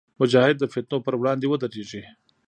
مجاهد د فتنو پر وړاندې ودریږي.